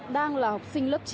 đang là học sinh lớp chín